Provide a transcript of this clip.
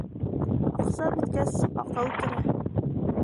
Аҡса бөткәс аҡыл керә.